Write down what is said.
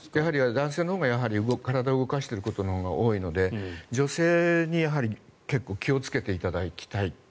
男性のほうが体を動かしていることが多いので女性に気をつけていただきたい。